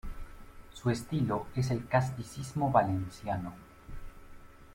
Su estilo es el casticismo valenciano.